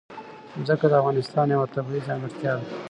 ځمکه د افغانستان یوه طبیعي ځانګړتیا ده.